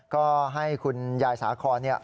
ก็ให้คุณยายสาคอนเนี่ย